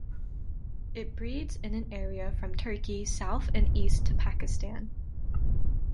It breeds in an area from Turkey south and east to Pakistan.